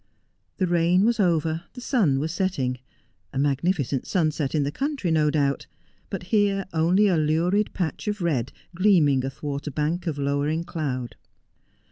The rain was over, the sun was setting — a magnificent sunset in the country, no doubt, but here only a lurid patch of red gleaming athwart a bank of lowering cloud.